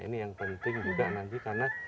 ini yang penting juga nanti karena